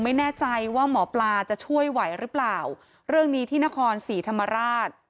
ไม่แน่ใจว่าหมอปลาจะช่วยไหวหรือเปล่าเรื่องนี้ที่นครศรีธรรมราช